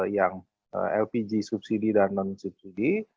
yang lpg subsidi dan non subsidi